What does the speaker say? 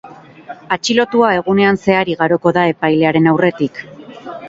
Atxilotua egunean zehar igaroko da epailearen aurretik.